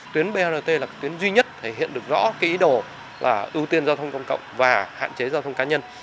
tuyến brt là tuyến duy nhất thể hiện được rõ cái ý đồ là ưu tiên giao thông công cộng và hạn chế giao thông cá nhân